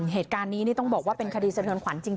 เหตุการณ์นี้ให้บอกเป็นคดีเสนอญุผวันจริง